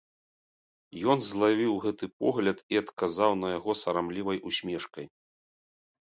Ён злавіў гэты погляд і адказаў на яго сарамлівай усмешкай.